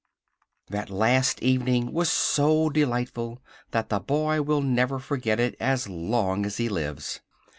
"] That last evening was so delightful that the boy will never forget it as long as he lives.